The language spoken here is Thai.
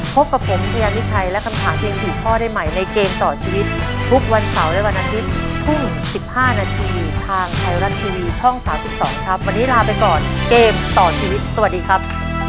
พบกับผมชายามิชัยและคำถามเพียง๔ข้อได้ใหม่ในเกมต่อชีวิตทุกวันเสาร์และวันอาทิตย์ทุ่ม๑๕นาทีทางไทยรัฐทีวีช่อง๓๒ครับวันนี้ลาไปก่อนเกมต่อชีวิตสวัสดีครับ